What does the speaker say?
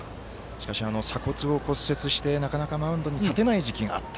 しかし、鎖骨を骨折してなかなかマウンドに立てない時期があった。